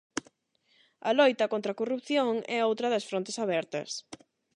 A loita contra a corrupción é outra das frontes abertas.